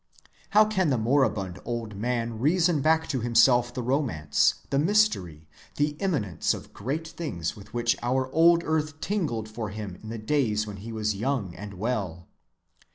How can the moribund old man reason back to himself the romance, the mystery, the imminence of great things with which our old earth tingled for him in the days when he was young and well?